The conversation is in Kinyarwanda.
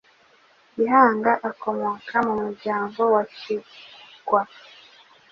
Gihanga akomoka mu muryango wa Kigwa